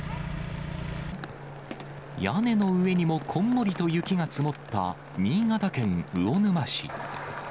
屋根の上にもこんもりと雪が積もった新潟県魚沼市。